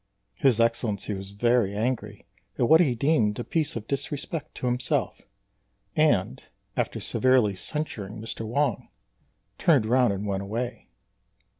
His Excellency was very angry at what he deemed a piece of disrespect to himself; and, after severely censuring Mr. Wang, turned round and went away.